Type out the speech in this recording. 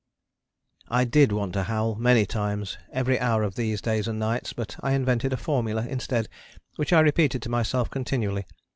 I did want to howl many times every hour of these days and nights, but I invented a formula instead, which I repeated to myself continually.